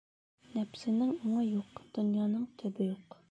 Нәпсенең уңы юҡ, донъяның төбө юҡ.